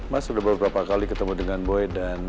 mas sudah beberapa kali ketemu dengan boy